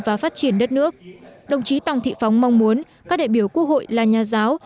và phát triển đất nước đồng chí tòng thị phóng mong muốn các đại biểu quốc hội là nhà giáo